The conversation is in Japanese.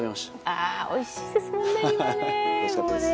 ああ、おいしいですもんね今ね。